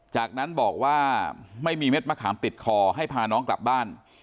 จากนั้นบอกว่าไม่มีเม็ดมะขามติดคอให้พาน้องกลับบ้าน